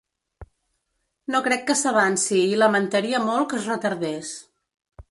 No crec que s’avanci i lamentaria molt que es retardés.